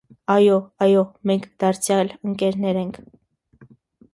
- Այո՛, այո՛, մենք դարձյալ ընկերներ ենք…